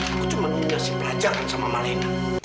aku cuma dikasih pelajaran sama malena